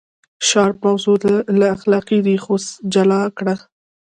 شارپ موضوع له اخلاقي ریښو جلا کړه.